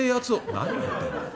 「何を言ってんだ。